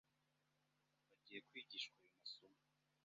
bagiye kwigishwa ayo masomo